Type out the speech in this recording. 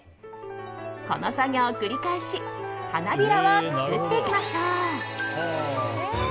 この作業を繰り返し花びらを作っていきましょう。